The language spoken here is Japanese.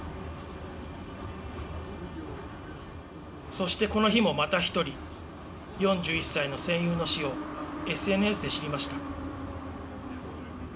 そしてこの日もまた１人、４１歳の戦友の死をＳＮＳで知りました。